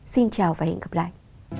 xin chào và hẹn gặp lại